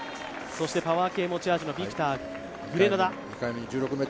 パワー系持ち味のビクターグレナダ。